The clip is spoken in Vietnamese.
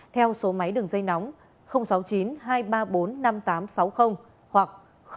theo số máy đường dây nóng sáu mươi chín hai trăm ba mươi bốn năm nghìn tám trăm sáu mươi hoặc sáu mươi chín hai trăm ba mươi hai một nghìn sáu trăm bảy